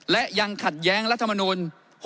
และยังขัดแย้งรัฐมนูล๖๖